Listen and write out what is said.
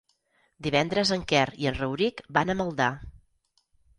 Divendres en Quer i en Rauric van a Maldà.